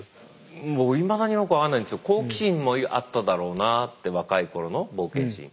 僕いまだによく分かんないんですけど好奇心もあっただろうなって若い頃の冒険心。